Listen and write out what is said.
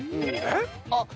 えっ。